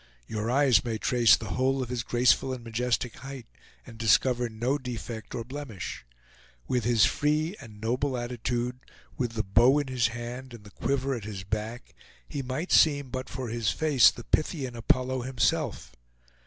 Your eyes may trace the whole of his graceful and majestic height, and discover no defect or blemish. With his free and noble attitude, with the bow in his hand, and the quiver at his back, he might seem, but for his face, the Pythian Apollo himself.